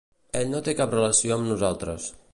Ell no té cap relació amb nosaltres.